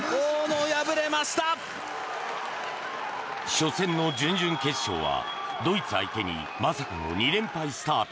初戦の準々決勝はドイツ相手にまさかの２連敗スタート。